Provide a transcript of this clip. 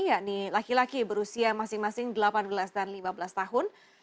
yakni laki laki berusia masing masing delapan belas dan lima belas tahun